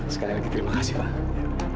sekali lagi terima kasih pak